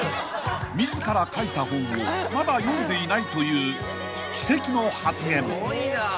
［自ら書いた本をまだ読んでいないという奇跡の発言］